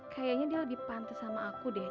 kayaknya dia lebih pantas sama aku deh